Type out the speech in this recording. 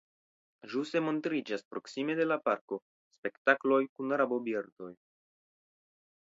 Ĵuse montriĝas proksime de la parko spektakloj kun rabobirdoj.